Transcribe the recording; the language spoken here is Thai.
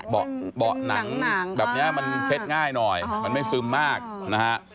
เบาะหนังแบบนี้มันเช็ดง่ายหน่อยมันไม่ซึมมากนะฮะ